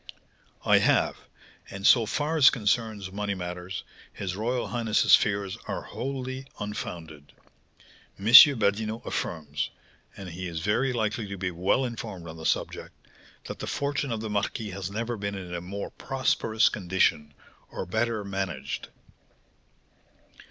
"I have; and, so far as concerns money matters, his royal highness's fears are wholly unfounded. M. Badinot affirms (and he is very likely to be well informed on the subject) that the fortune of the marquis has never been in a more prosperous condition, or better managed."